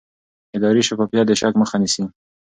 اداري شفافیت د شک مخه نیسي